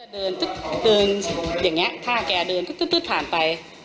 เดินอย่างเงี้ยผ้าแกเดินตึ๊ดตึ๊ดตึ๊ดผ่านไป